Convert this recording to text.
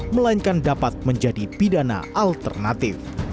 melainkan dapat menjadi pidana alternatif